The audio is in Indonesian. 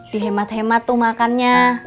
di hemat hemat tuh makannya